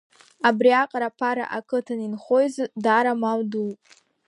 Абриаҟара аԥара ақыҭан инхо изы даара мал дууп.